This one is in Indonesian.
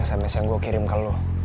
sms yang gue kirim ke lo